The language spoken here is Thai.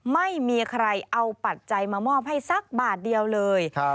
ไม่มีใครเอาปัจจัยมามอบให้สักบาทเดียวเลย